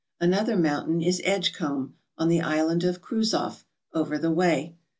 Another mountain is Edgecombe, on the Island of Kruzof, over the way.